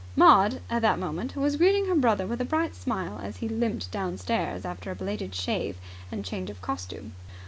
Maud at that moment was greeting her brother with a bright smile, as he limped downstairs after a belated shave and change of costume.